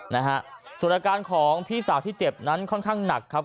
นะฮะส่วนอาการของพี่สาวที่เจ็บนั้นค่อนข้างหนักครับ